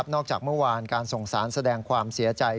จากเมื่อวานการส่งสารแสดงความเสียใจ